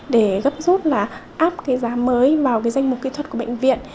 để gấp rút là áp cái giá mới vào cái danh mục kỹ thuật của bệnh viện